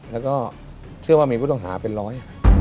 แล้วก็เชื่อว่ามีผู้ต้องหาเป็นร้อย